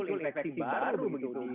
tapi kan tidak begitu